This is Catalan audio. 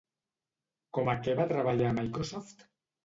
Com a què va treballar a Microsoft?